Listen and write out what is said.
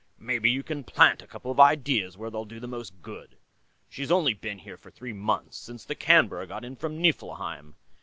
Maybe you can plant a couple of ideas where they'll do the most good. She's only been here for three months since the Canberra got in from Niflheim.